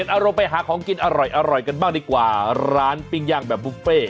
อารมณ์ไปหาของกินอร่อยกันบ้างดีกว่าร้านปิ้งย่างแบบบุฟเฟ่